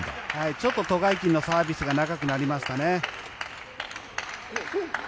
ちょっとト・ガイキンのサービスが長くなりましたね。